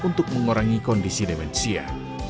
untuk mengurangi kondisi demensia